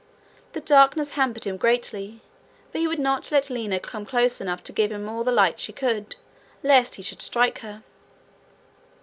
The darkness hampered him greatly, for he would not let Lina come close enough to give him all the light she could, lest he should strike her.